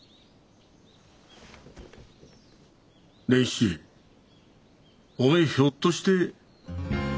伝七おめえひょっとして。